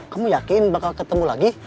kamu yakin bakal ketemu lagi